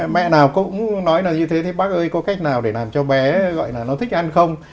mẹ nào cũng nói là như thế bác ơi có cách nào để làm cho bé gọi là nó thích ăn không